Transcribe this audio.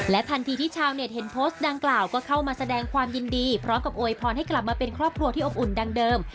ทันทีที่ชาวเน็ตเห็นโพสต์ดังกล่าวก็เข้ามาแสดงความยินดีพร้อมกับโวยพรให้กลับมาเป็นครอบครัวที่อบอุ่นดังเดิม